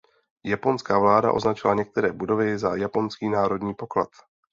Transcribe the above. Japonská vláda označila některé budovy za japonský národní poklad.